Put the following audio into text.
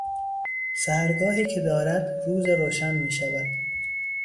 سحرگاهی که دارد روز روشن میشود